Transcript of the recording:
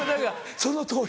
そのとおり。